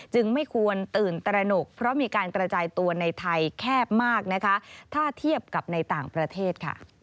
ไม่ควรตื่นตระหนกเพราะมีการกระจายตัวในไทยแคบมากนะคะถ้าเทียบกับในต่างประเทศค่ะ